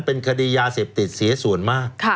เป็นคดียาเสพติดเสียส่วนมาก